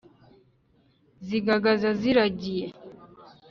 Sigagaza ziragiriye